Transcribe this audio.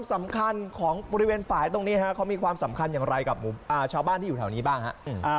สำคัญของบริเวณฝ่ายตรงนี้ฮะเขามีความสำคัญอย่างไรกับชาวบ้านที่อยู่แถวนี้บ้างฮะ